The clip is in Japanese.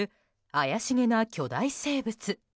怪しげな巨大生物。